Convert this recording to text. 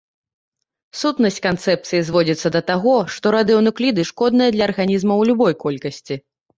Сутнасць канцэпцыі зводзіцца да таго, што радыенукліды шкодныя для арганізма ў любой колькасці.